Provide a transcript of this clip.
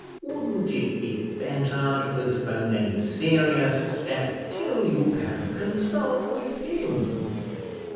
Wouldn't it be better to postpone any serious step till you can consult with him?"